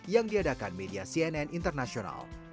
yang diadakan media cnn internasional